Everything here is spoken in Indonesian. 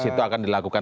visi itu akan dilakukan